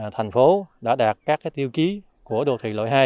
thành phố đã đạt các tiêu chí của đô thị loại hai